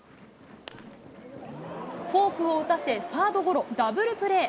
フォークを打たせ、サードゴロ、ダブルプレー。